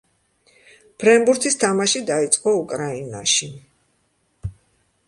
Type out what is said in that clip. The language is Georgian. ფრენბურთის თამაში დაიწყო, უკრაინაში.